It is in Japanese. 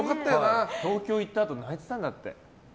東京に行ったあと泣いてたんだって。